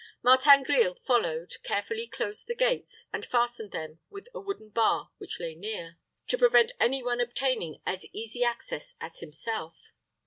Martin Grille followed, carefully closed the gates, and fastened them with a wooden bar which lay near, to prevent any one obtaining as easy access as himself.